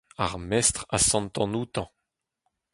ar mestr a sentan outañ